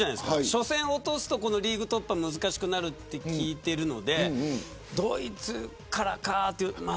初戦を落とすとリーグ突破が難しくなると聞いているのでドイツからかと思って。